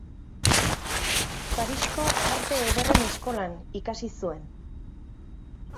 Parisko Arte Ederren Eskolan ikasi zuen.